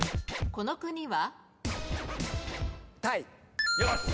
この国は？